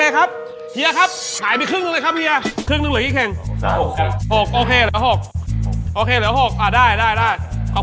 ครีมก็โอเคครับเฮียครับ